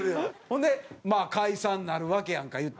ほんでまあ解散なるわけやんかいったら。